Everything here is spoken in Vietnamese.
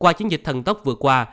qua chiến dịch thần tốc vừa qua